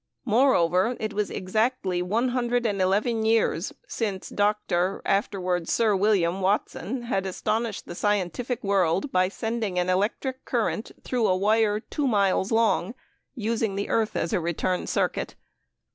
Moreover, it was exactly one hundred and eleven years since Dr. (afterward Sir William) Watson had astonished the scientific world by sending an electric current through a wire two miles long, using the earth as a return circuit.